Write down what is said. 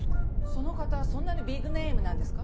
その方そんなにビッグネームなんですか？